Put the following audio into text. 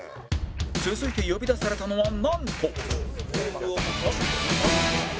続いて呼び出されたのはなんと